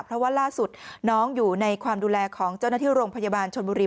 เพราะว่าล่าสุดน้องอยู่ในความดูแลของเจ้าหน้าที่โรงพยาบาลชนบุรี